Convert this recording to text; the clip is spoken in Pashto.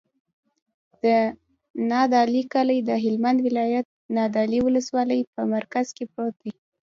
د نادعلي کلی د هلمند ولایت، نادعلي ولسوالي په مرکز کې پروت دی.